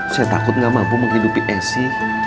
saya takut gak mampu menghidupi essi